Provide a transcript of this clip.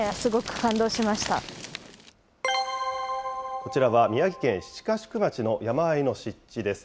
こちらは宮城県七ヶ宿町の山あいの湿地です。